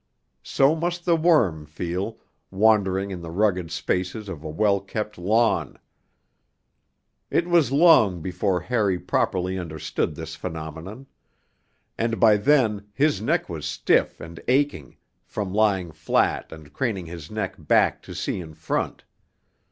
So must the worm feel, wandering in the rugged spaces of a well kept lawn. It was long before Harry properly understood this phenomenon; and by then his neck was stiff and aching from lying flat and craning his head back to see in front.